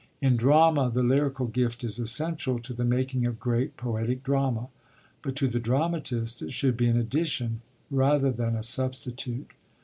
In drama the lyrical gift is essential to the making of great poetic drama, but to the dramatist it should be an addition rather than a substitute.